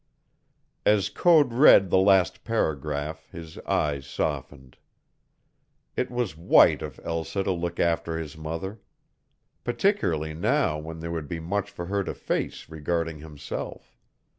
As Code read the last paragraph his eyes softened. It was white of Elsa to look after his mother, particularly now when there would be much for her to face regarding himself.